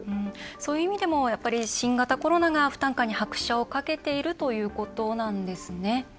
そういう意味でも新型コロナが負担感に拍車をかけているということなんですね。